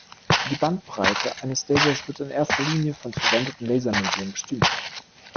Die Bandbreite eines Lasers wird in erster Linie vom verwendeten Lasermedium bestimmt.